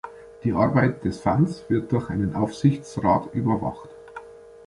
Die Arbeit des Funds wird durch einen Aufsichtsrat überwacht.